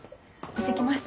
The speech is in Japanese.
行ってきます。